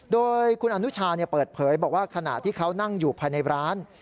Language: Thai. โดยคุณอนุชาเปิดเผยบอกว่าขณะที่เขานั่งอยู่ภายในร้าน